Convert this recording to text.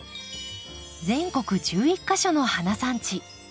全国１１か所の花産地。